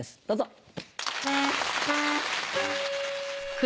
どうぞ。